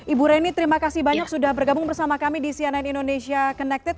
ibu reni terima kasih banyak sudah bergabung bersama kami di cnn indonesia connected